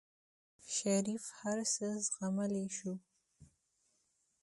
شريف هر څه زغملی شو.